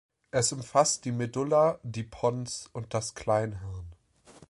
Es umfasst die Medulla, die Pons und das Kleinhirn.